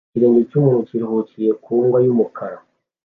Ikirenge cyumuntu kiruhukiye ku mbwa yumukara